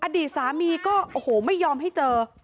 อดีตสามีก็โอ้โหไม่ยอมให้เจอ